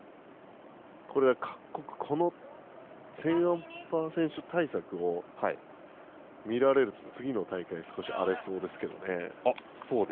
各国このセーンアンパー選手対策を見られると次の大会が少し荒れそうですけどね。